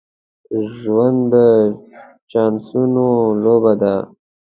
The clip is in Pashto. ژوند د چانسونو لوبه ده.